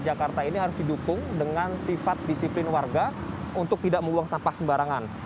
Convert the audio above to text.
jakarta ini harus didukung dengan sifat disiplin warga untuk tidak membuang sampah sembarangan